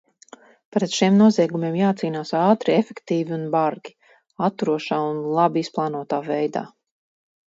Pret šiem noziegumiem jācīnās ātri, efektīvi un bargi, atturošā un labi izplānotā veidā.